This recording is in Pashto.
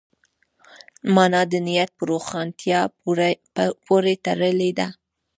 مانا د نیت په روښانتیا پورې تړلې ده.